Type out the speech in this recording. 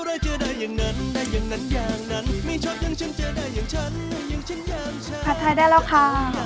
พัดทายได้แล้วค่ะ